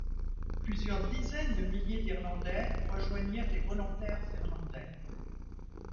Plusieurs dizaines de milliers d'Irlandais rejoignirent les Volontaires irlandais.